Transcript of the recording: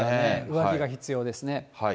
上着が必要ですね。